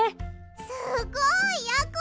すごいやころ！